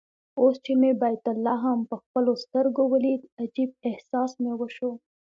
اوس چې مې بیت لحم په خپلو سترګو ولید عجيب احساس مې وشو.